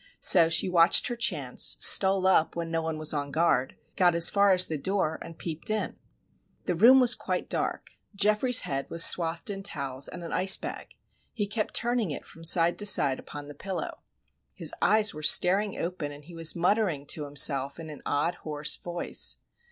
So she watched her chance, stole up when no one was on guard, got as far as the door, and peeped in. The room was quite dark. Geoffrey's head was swathed in towels and an ice bag; he kept turning it from side to side upon the pillow. His eyes were staring open, and he was muttering to himself in an odd hoarse voice.